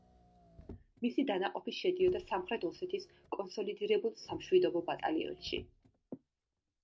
მისი დანაყოფი შედიოდა სამხრეთ ოსეთის კონსოლიდირებულ სამშვიდობო ბატალიონში.